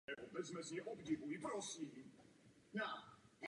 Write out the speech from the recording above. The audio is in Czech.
Kandidaturu na pořadatelství her projevilo celkem sedm míst.